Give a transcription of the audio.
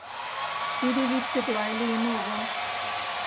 Тиде вӱд тыглай лийын огыл.